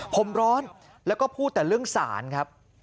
ผมร้อนแล้วก็พูดแต่เรื่องสารครับ